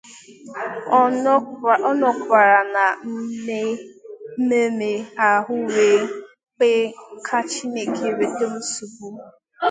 Ọ nọkwara na mmemme ahụ wee kpee ka Chineke wete nsogbu